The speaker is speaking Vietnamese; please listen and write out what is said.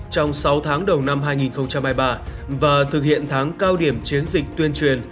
trong sáu tháng đầu năm hai nghìn hai mươi ba và thực hiện tháng cao điểm chiến dịch tuyên truyền